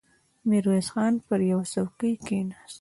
ميرويس خان پر يوه څوکۍ کېناست.